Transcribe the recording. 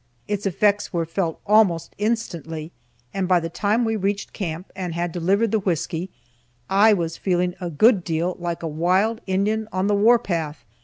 Its effects were felt almost instantly, and by the time we reached camp, and had delivered the whisky, I was feeling a good deal like a wild Indian on the war path.